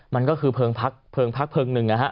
มันก็คือเพลิงพักเพลิงพักเพลิงหนึ่งนะฮะ